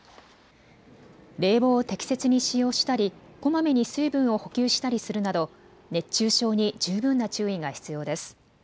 冷房を適切に使用したりこまめに水分を補給したりするなど熱中症に十分な注意が必要です。